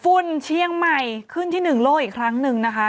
ฟุ่นเชียงใหม่ขึ้นที่หนึ่งโลกอีกครั้งนึงนะคะ